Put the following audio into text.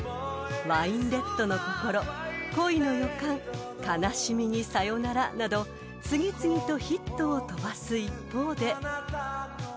［『ワインレッドの心』『恋の予感』『悲しみにさよなら』など次々とヒットを飛ばす一方で］